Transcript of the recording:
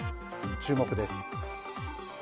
注目です。